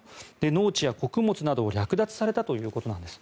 農地や穀物などを略奪されたということなんです。